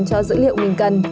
cho dữ liệu mình cần